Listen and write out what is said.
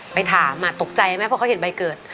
ไปถามตกใจไหมเพราะเขาเห็นใบเกิด